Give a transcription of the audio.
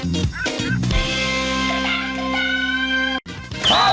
เวลา